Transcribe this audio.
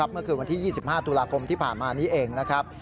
เมื่อกลุ่มที่๒๕ทุลาคมที่ผ่านมานี้เองนะครับ